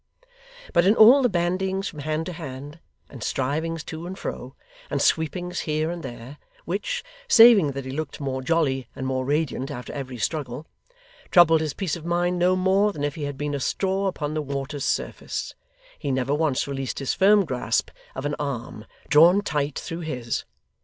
But in all the bandyings from hand to hand, and strivings to and fro, and sweepings here and there, which saving that he looked more jolly and more radiant after every struggle troubled his peace of mind no more than if he had been a straw upon the water's surface, he never once released his firm grasp of an arm, drawn tight through his.